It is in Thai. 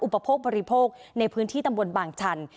อุปโภคบริโภคในพื้นที่ตำบลบางชัน